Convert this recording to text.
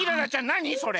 なにそれ？